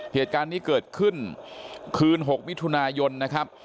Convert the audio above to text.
เหตุการณ์นี้เกิดขึ้นคืน๖มิถุนายนนะครับ